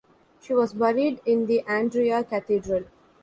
She was buried in the Andria Cathedral.